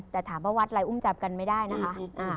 แต่ถามว่าวัดอะไรอุ้มจับกันไม่ได้นะคะ